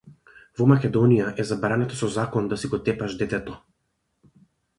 Во Македонија е забрането со закон да си го тепаш детето.